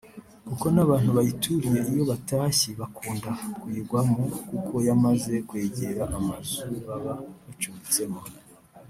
kuko n’abantu bayituriye iyo batashye bakunda kuyigwamo kuko yamaze kwegera amazu baba bacumbitsemo